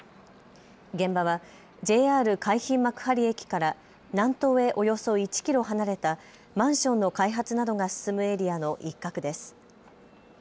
現場はＪＲ海浜幕張駅から南東へおよそ１キロ離れたマンションの開発などが進むエリアの一角です。